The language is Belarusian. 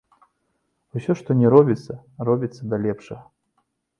Усё, што ні робіцца, робіцца да лепшага.